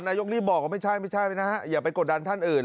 นายกรีบบอกว่าไม่ใช่ไม่ใช่นะฮะอย่าไปกดดันท่านอื่น